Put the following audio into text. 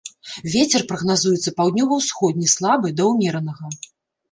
Вецер прагназуецца паўднёва-ўсходні слабы да ўмеранага.